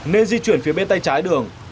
nên di chuyển phía bên tay trái đường